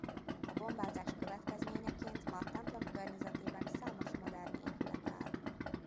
A bombázás következményeként ma a templom környezetében számos modern épület áll.